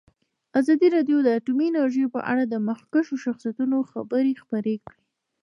ازادي راډیو د اټومي انرژي په اړه د مخکښو شخصیتونو خبرې خپرې کړي.